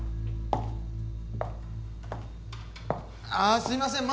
ああすいません。